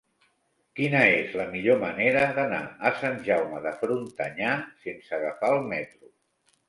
Quina és la millor manera d'anar a Sant Jaume de Frontanyà sense agafar el metro?